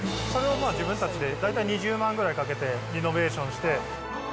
それを自分たちで大体２０万ぐらいかけて、リノベーションして。